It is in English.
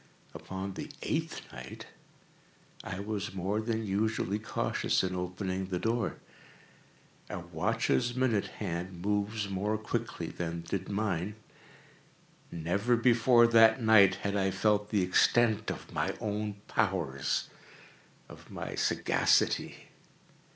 Upon the eighth night I was more than usually cautious in opening the door. A watch's minute hand moves more quickly than did mine. Never before that night had I felt the extent of my own powers—of my sagacity.